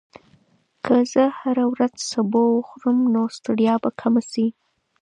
که زه هره ورځ سبو وخورم، نو ستړیا به کمه شي.